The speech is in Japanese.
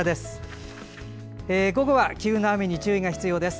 午後は急な雨に注意が必要です。